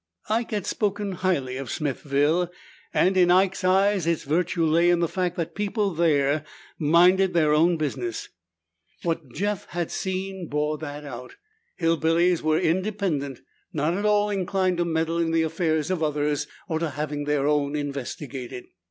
Ike had spoken highly of Smithville, and in Ike's eyes its virtue lay in the fact that people there minded their own business. What Jeff had seen bore that out. Hillbillies were independent, not at all inclined to meddle in the affairs of others or to having their own investigated.